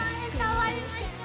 終わりました。